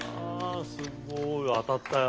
すごい当たったよ